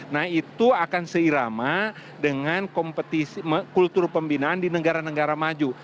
nah itu akan seirama dengan kompetisi kultur pembinaan di negara negara maju